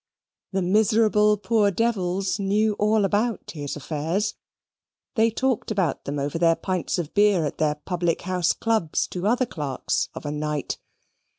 The miserable poor devils knew all about his affairs. They talked about them over their pints of beer at their public house clubs to other clerks of a night.